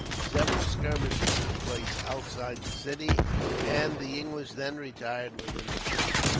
Several skirmishes took place outside the city, and the English then retired within the fort.